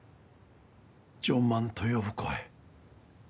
「ジョン万」と呼ぶ声。